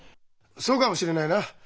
そうかもしれないな。